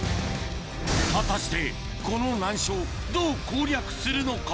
果たしてこの難所をどう攻略するのか？